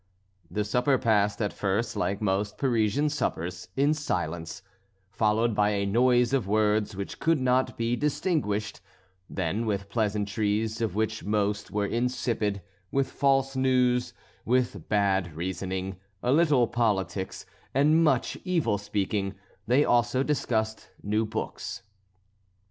The supper passed at first like most Parisian suppers, in silence, followed by a noise of words which could not be distinguished, then with pleasantries of which most were insipid, with false news, with bad reasoning, a little politics, and much evil speaking; they also discussed new books.